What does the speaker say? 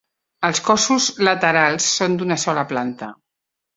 Els cossos laterals són d'una sola planta.